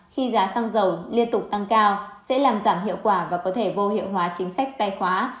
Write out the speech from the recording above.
khi giá xăng dầu liên tục tăng cao sẽ làm giảm hiệu quả và có thể vô hiệu hóa chính sách tài khóa